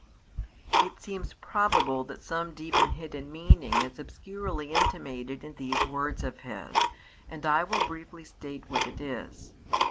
It seems probable that some deep and hidden meaning is obscurely intimated in these words of his, and I will briefly state what it is.